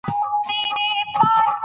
چار مغز د افغانانو د معیشت سرچینه ده.